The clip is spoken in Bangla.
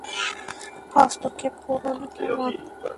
হস্তক্ষেপ কোরো না, কেমন?